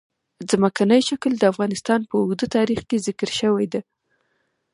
ځمکنی شکل د افغانستان په اوږده تاریخ کې ذکر شوې ده.